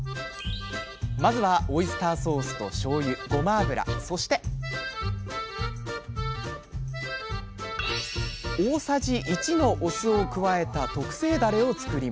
まずはオイスターソースとしょうゆごま油そして大さじ１のお酢を加えた特製だれを作ります。